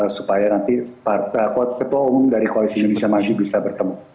supaya nanti ketua umum dari koalisi indonesia maju bisa bertemu